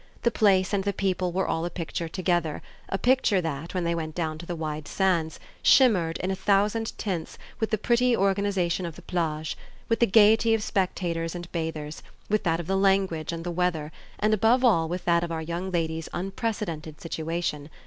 The place and the people were all a picture together, a picture that, when they went down to the wide sands, shimmered, in a thousand tints, with the pretty organisation of the plage, with the gaiety of spectators and bathers, with that of the language and the weather, and above all with that of our young lady's unprecedented situation.